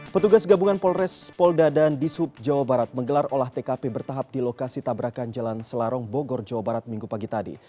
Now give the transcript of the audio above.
petugas gabungan polres polda dan dishub jawa barat menggelar olah tkp bertahap di lokasi tabrakan jalan selarong bogor jawa barat minggu pagi tadi